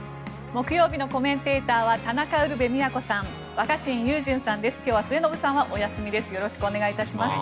木曜日のコメンテーターは田中ウルヴェ京さん若新雄純さんです。